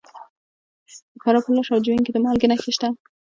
د فراه په لاش او جوین کې د مالګې نښې شته.